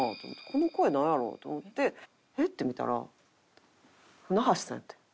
この声なんやろ？と思ってえっ？って見たら舟橋さんやってん。